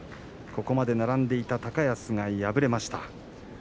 ここまで並んでいた高安敗れました。